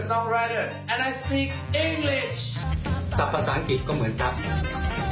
ศัพท์ภาษาอังกฤษก็เหมือนซับ